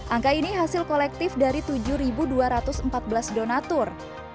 angka ini hasil kolektif dari tujuh dua ratus empat belas donatur